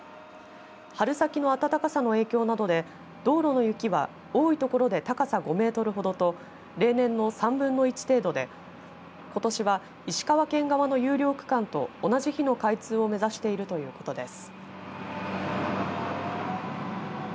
春先の暖かさの影響などで道路の雪は多い所で高さ５メートルほどと例年の３分の１程度でことしは石川県側の有料区間と同じ日の開通を目指しているということです。